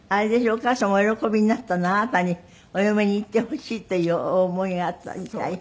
お母様お喜びになったのはあなたにお嫁に行ってほしいっていうお思いがあったみたい？